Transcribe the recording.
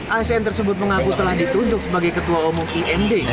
asn tersebut mengaku telah ditunjuk sebagai ketua umum imd